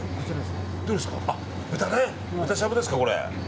豚しゃぶですか、これ。